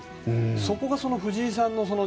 そこが藤井さんの。